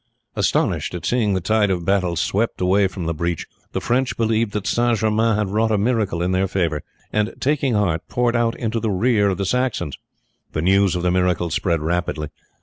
Astonished at seeing the tide of battle swept away from the breach, the French believed that St. Germain had wrought a miracle in their favour, and taking heart poured out in the rear of the Saxons. The news of the miracle spread rapidly.